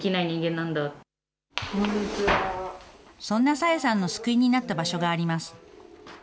そんな紗英さんの救いになった場所があります。